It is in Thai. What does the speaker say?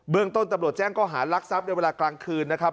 เบื้องต้นตำรวจแจ้งก็หารักษัพท์เดี๋ยวเวลากลางคืนนะครับ